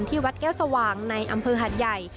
วัดแก้วสว่างในอำเภอหัดใหญ่